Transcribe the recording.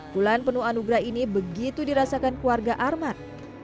bulan penuh anugerah ini begitu dirasakan keluarga arman